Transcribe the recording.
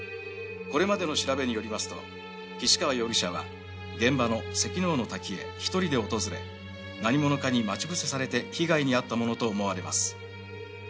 「これまでの調べによりますと岸川容疑者は現場の関之尾滝へ１人で訪れ何者かに待ち伏せされて被害に遭ったものと思われます」